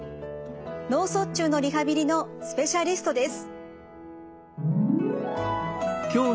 脳卒中のリハビリのスペシャリストです。